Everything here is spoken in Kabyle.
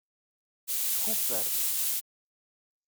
Skuffer.